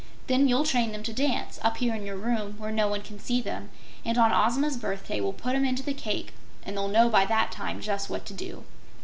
Then you'll train them to dance up here in your room, where no one can see them and on Ozma's birthday we'll put 'em into the cake and they'll know by that time just what to do."